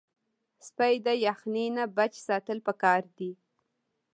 سپي د یخنۍ نه بچ ساتل پکار دي.